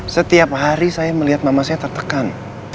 setiap hari saya melihat mama saya tertekan